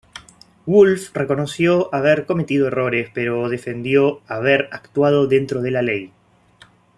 Wulff reconoció haber cometido errores, pero defendió haber actuado dentro de la ley.